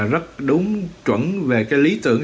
rất đúng chuẩn về lý tưởng